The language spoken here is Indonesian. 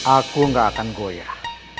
aku gak akan goyah